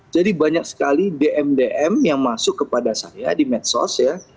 jadi banyak sekali dm dm yang masuk kepada saya di medsos ya